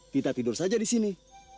kita tidur saja disini